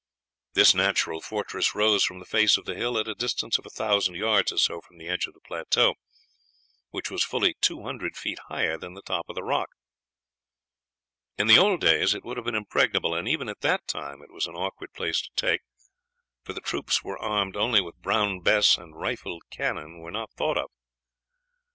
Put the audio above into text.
"This natural fortress rose from the face of the hill at a distance of a thousand yards or so from the edge of the plateau, which was fully two hundred feet higher than the top of the rock. In the old days it would have been impregnable, and even at that time it was an awkward place to take, for the troops were armed only with Brown Bess, and rifled cannon were not thought of.